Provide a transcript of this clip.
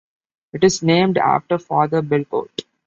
It is named after Father Belcourt.